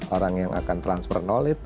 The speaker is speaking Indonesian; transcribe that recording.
orang yang akan transfer knowled